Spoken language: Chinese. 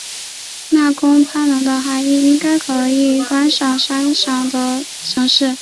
那空拍侬的涵义应该是可以观赏山景的城市。